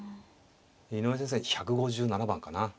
井上先生が１５７番かな。